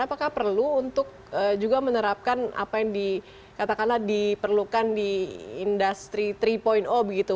apakah perlu untuk juga menerapkan apa yang dikatakanlah diperlukan di industri tiga begitu